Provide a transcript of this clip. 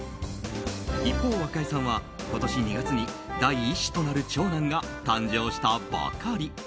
一方、若井さんは今年２月に第１子となる長男が誕生したばかり。